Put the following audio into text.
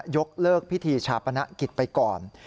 ยกเลิกพิธีชาปนกิจไปก่อน